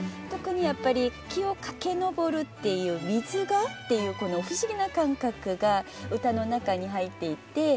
特にやっぱり「木をかけ登る」っていう「水が？」っていうこの不思議な感覚が歌の中に入っていて。